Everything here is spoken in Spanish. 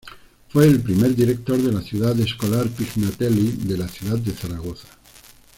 Fue el primer director de la Ciudad Escolar Pignatelli de la ciudad de Zaragoza.